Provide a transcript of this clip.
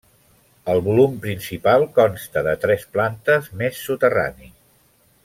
El volum principal consta de tres plantes, més soterrani.